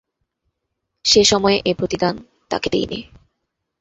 সে সময়ে এ প্রতিদান তাকে দিইনি।